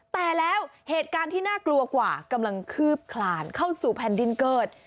แต่แล้วเหตุการณ์ที่น่ากลัวกว่ากำลังคืบคลานเข้าสู่แผ่นดินเกิด